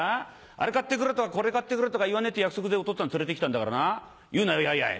あれ買ってくれとかこれ買ってくれとか言わねえって約束でおとっつぁん連れてきたんだからな言うなよやいやい」